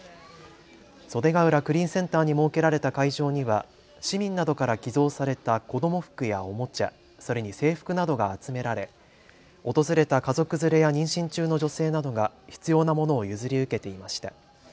袖ケ浦クリーンセンターに設けられた会場には市民などから寄贈された子ども服やおもちゃ、それに制服などが集められ訪れた家族連れや妊娠中の女性などが必要なものを譲り受けていました。